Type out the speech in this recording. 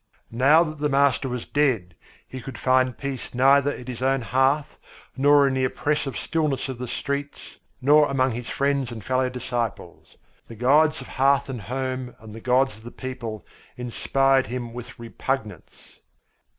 Now that the master was dead, he could find peace neither at his own hearth nor in the oppressive stillness of the streets nor among his friends and fellow disciples. The gods of hearth and home and the gods of the people inspired him with repugnance.